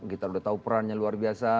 kita udah tahu perannya luar biasa